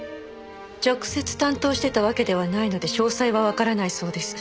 直接担当してたわけではないので詳細はわからないそうです。